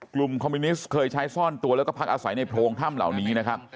กลุ่มคอมมินิสเคยใช้ซ่อนตัวแล้วก็พักอาศัยในโพงถ้ำเหล่านี้